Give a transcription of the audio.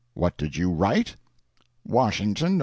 What did you write? "'WASHINGTON, Nov.